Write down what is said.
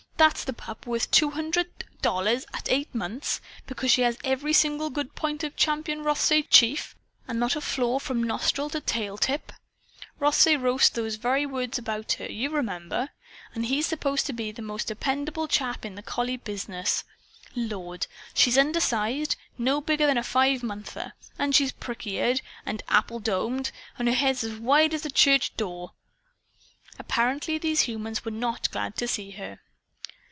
"That's the pup worth two hundred dollars at eight months, 'because she has every single good point of Champion Rothsay Chief and not a flaw from nostril to tail tip'! Rothsay wrote those very words about her, you remember. And he's supposed to be the most dependable man in the collie business! Lord! She's undersized no bigger than a five monther! And she's prick eared and apple domed; and her head's as wide as a church door!" Apparently these humans were not glad to see her.